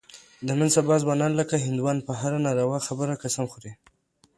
د نن سبا ځوانان لکه هندوان په هره ناروا خبره قسم خوري.